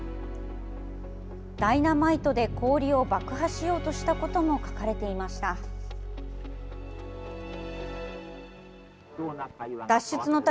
ダイナマイトで氷を爆破しようとしたことも書かれていました。